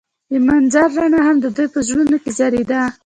د منظر رڼا هم د دوی په زړونو کې ځلېده.